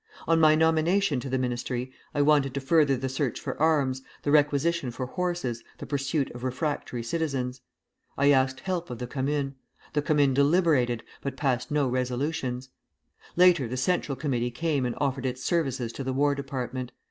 On my nomination to the ministry I wanted to further the search for arms, the requisition for horses, the pursuit of refractory citizens. I asked help of the Commune; the Commune deliberated, but passed no resolutions. Later the Central Committee came and offered its services to the War Department.